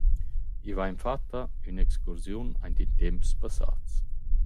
I vain fatta ün’excursiun aint in temps passats.